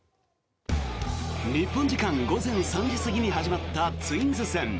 日本時間午前３時過ぎに始まったツインズ戦。